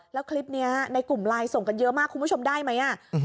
แล้วคลิปนี้ในกลุ่มไลน์ส่งกันเยอะมากคุณผู้ชมได้ไหม